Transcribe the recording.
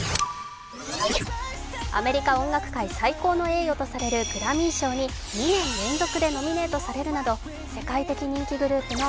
アメリカ音楽界最高の栄誉とされるグラミー賞に２年連続でノミネートされるなど世界的人気グループのＢＴＳ。